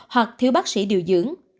hoặc thiếu bác sĩ điều dưỡng